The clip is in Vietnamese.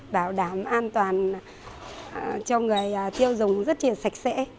bảo đảm an toàn cho người tiêu dùng rất là sạch sẽ